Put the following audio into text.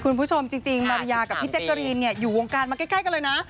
คุณผู้ชมจริงมาริยากับพี่แจ๊กกะรีนอยู่วงการมาใกล้กันเลยนะ